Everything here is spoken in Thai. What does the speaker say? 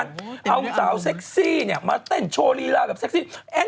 นักฟุตบอลสิเธอ